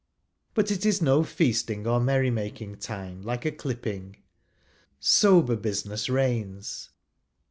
But it is no feasting or merry making time like a clipping. Sober I business reigns.